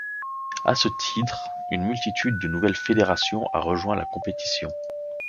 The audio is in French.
À ce titre, une multitude de nouvelles fédérations a rejoint la compétition.